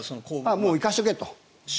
行かせておけと。